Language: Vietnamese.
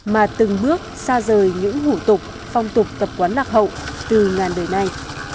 mà từng bước xa rời những hủ tục phong tục tập quán lạc hậu từ ngàn đời nay